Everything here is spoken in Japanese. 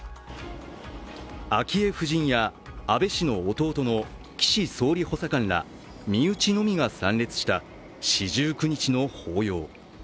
昭恵夫人や安倍氏の弟の岸総理補佐官ら身内のみが参列した四十九日の法要。